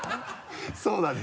そうだね。